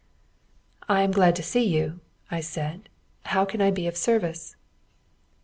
"I am glad to see you," I said; "how can I be of service?"